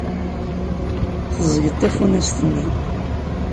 Teẓẓgeḍ tafunast-nni.